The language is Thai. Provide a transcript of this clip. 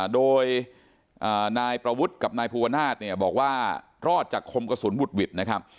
โดยนายประวุฒิกับนายภูวนาศเนี่ยบอกว่ารอดจากคมกระสุนบุดหวิดนะครับ